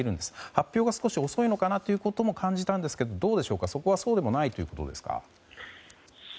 発表が少し遅いのかなとも感じたんですが、そこはそうでもないということですか。